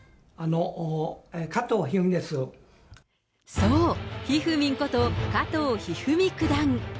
そう、ひふみんこと、加藤一二三九段。